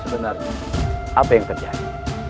sebenarnya apa yang terjadi